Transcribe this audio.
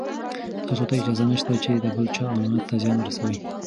تاسو ته اجازه نشته چې د بل چا امانت ته زیان ورسوئ.